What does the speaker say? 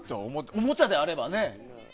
おもちゃであればね。